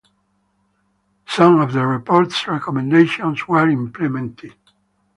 Some of the report's recommendations were implemented.